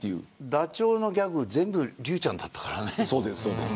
ダチョウのギャグ全部、竜ちゃんだったからね。